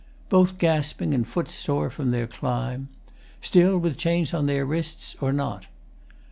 Both gasping and footsore from their climb. [Still, with chains on their wrists? or not?